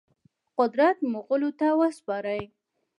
قدرت مغولو ته وسپاري.